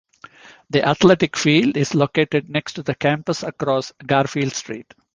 The athletic field is located next to the campus across Garfield Street.